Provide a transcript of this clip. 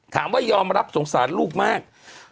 ถามว่ายอมรับสงสารลูกมาก